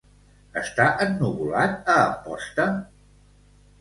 Està ennuvolat a Amposta?